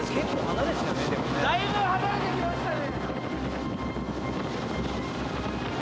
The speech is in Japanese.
だいぶ離れてきましたね。